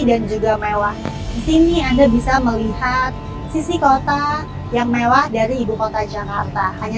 dan juga mewah sini anda bisa melihat sisi kota yang mewah dari ibukota jakarta hanya